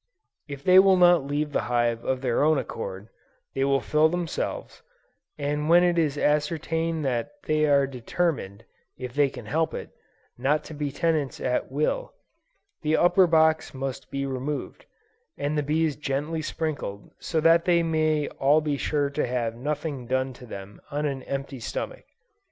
If they will not leave the hive of their own accord, they will fill themselves, and when it is ascertained that they are determined, if they can help it, not to be tenants at will, the upper box must be removed, and the bees gently sprinkled, so that they may all be sure to have nothing done to them on an empty stomach.